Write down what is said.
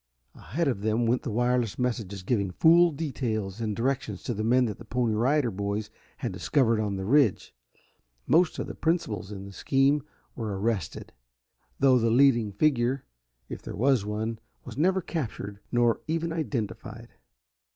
Ahead of them went the wireless messages giving full details and directions to the men that the Pony Rider Boys had discovered on the Ridge. Most of the principals in the scheme were arrested, though the leading figure, if there was one, was never captured nor even identified.